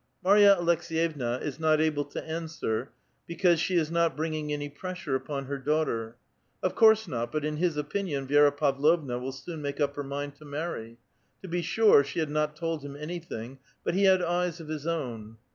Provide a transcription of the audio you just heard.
Marya Aleks^yevna is not able to answer because she is not bringing any pressure upon her daughter. Of course not, but in his opinion Vi^ra Pavlovna will soon make up her mind to marry ; to be sure, she had not told him anything, but he hud eyes of his own.